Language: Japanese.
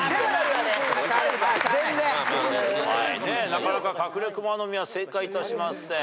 なかなかカクレクマノミは正解いたしません。